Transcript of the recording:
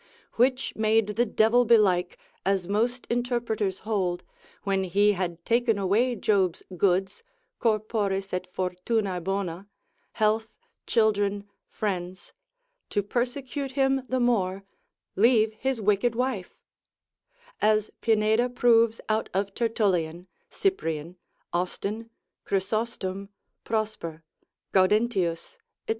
Which made the devil belike, as most interpreters hold, when he had taken away Job's goods, corporis et fortunae bona, health, children, friends, to persecute him the more, leave his wicked wife, as Pineda proves out of Tertullian, Cyprian, Austin, Chrysostom, Prosper, Gaudentius, &c.